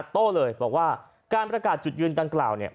โต้เลยบอกว่าการประกาศจุดยืนดังกล่าวเนี่ย